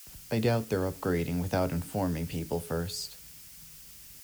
I doubt they're upgrading without informing people first.